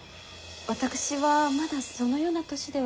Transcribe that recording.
私はまだそのような年では。